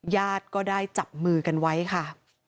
ญาติก็ได้จับมือกันไว้ค่ะ